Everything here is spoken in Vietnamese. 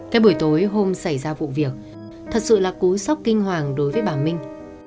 cái buổi tối hôm xảy ra vụ việc thật sự là cú sốc kinh hoàng đối với bà minh